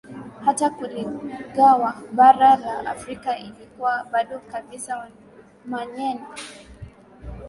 Hata kuligawa bara la Afrika ilikuwa bado kabisa wamanyema na waha walikuwa wakiishi pamoja